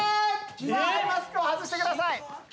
アイマスクを外してください。